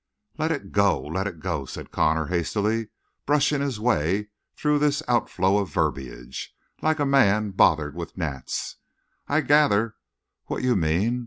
"Let it go! Let it go!" said Connor hastily, brushing his way through this outflow of verbiage, like a man bothered with gnats. "I gather what you mean.